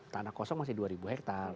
tanah kosong masih dua hektare